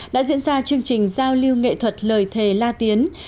đã diễn ra chương trình giao lưu nghệ thuật lời thề la tiến